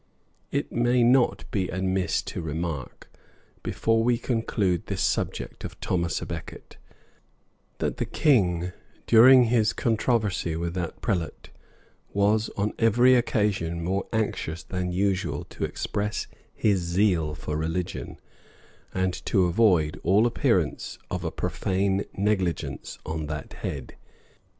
It may not be amiss to remark, before we conclude this subject of Thomas à Becket, that the king, during his controversy with that prelate, was on every occasion more anxious than usual to express his zeal for religion, and to avoid all appearance of a profane negligence on that head.